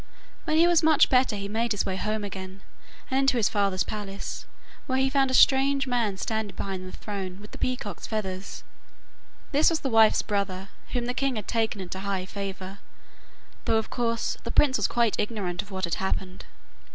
When he was better he made his way home again, and into his father's palace, where he found a strange man standing behind the throne with the peacock's feathers. This was his wife's brother, whom the king had taken into high favour, though, of course, the prince was quite ignorant of what had happened.